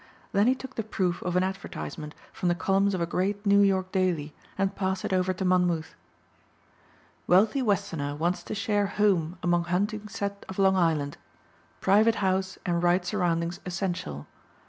Then he took the proof of an advertisement from the columns of a great New York daily and passed it over to Monmouth. "Wealthy westerner wants to share home among hunting set of Long Island. Private house and right surroundings essential.